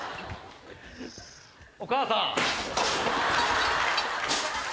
お母さん。